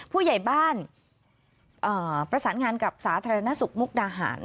ผู้ใหญ่บ้านประสานงานกับสาธารณสุขมุกดาหาร